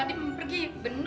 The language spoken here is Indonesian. aku mau pergi dulu